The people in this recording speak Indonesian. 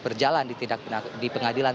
berjalan di pengadilan